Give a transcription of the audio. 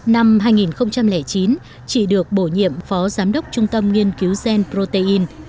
năm hai nghìn chín chị được bổ nhiệm phó giám đốc trung tâm nghiên cứu gen protein